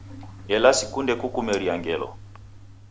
Ela sikunde kukumeria ngelo